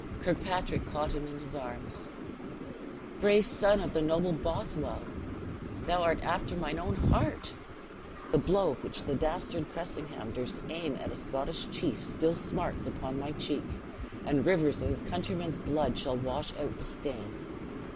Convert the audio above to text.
Kirkpatrick caught him in his arms. "Brave son of the noble Bothwell, thou art after mine own heart! The blow which the dastard Cressingham durst aim at a Scottish chief, still smarts upon my cheek; and rivers of his countrymen's blood shall wash out the stain.